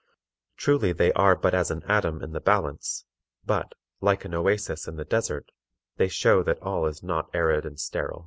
Truly they are but as an atom in the balance, but, like an oasis in the desert, they show that all is not arid and sterile.